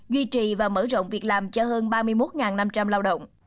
duy trì và mở rộng việc làm cho hơn ba mươi một năm trăm linh lao động